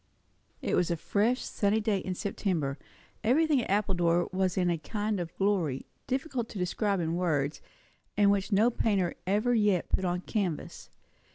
It was a fresh, sunny day in September; everything at Appledore was in a kind of glory, difficult to describe in words, and which no painter ever yet put on canvas.